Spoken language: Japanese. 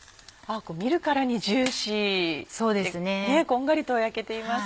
見るからにジューシーでこんがりと焼けています。